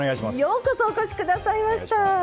ようこそお越しくださいました。